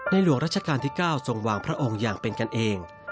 หลวงราชการที่๙ทรงวางพระองค์อย่างเป็นกันเอง